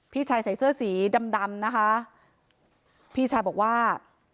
พี่ชายใส่เสื้อสีดำดำนะคะพี่ชายบอกว่า